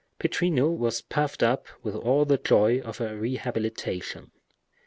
Pittrino was puffed up with all the joy of a rehabilitation.